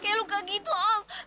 kayak luka gitu om